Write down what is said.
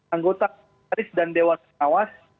anggota karis dan dewan penawas